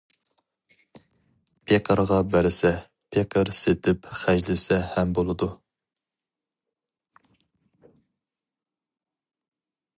پېقىرغا بەرسە، پېقىر سېتىپ خەجلىسە ھەم بولىدۇ.